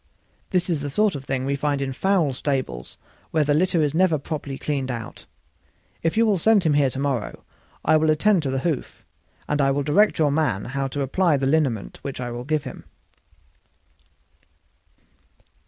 This is the sort of thing we find in foul stables, where the litter is never properly cleaned out. If you will send him here to morrow I will attend to the hoof, and I will direct your man how to apply the liniment which I will give him."